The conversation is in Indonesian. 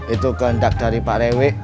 itu kehendak dari pak rewek